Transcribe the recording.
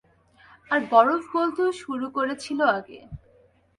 আর বরফ গলতেও শুরু করেছিল আগে।